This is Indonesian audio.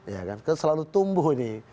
ya kan selalu tumbuh ini